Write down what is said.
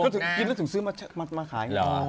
ต้องซื้อมาขาย